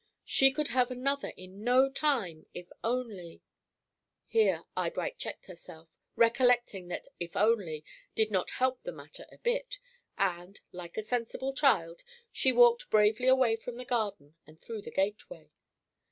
She could have another in no time if only here Eyebright checked herself, recollecting that "if only" did not help the matter a bit, and, like a sensible child, she walked bravely away from the garden and through the gateway.